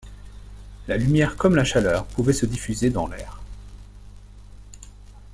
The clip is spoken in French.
La lumière comme la chaleur pouvaient se diffuser dans l’air.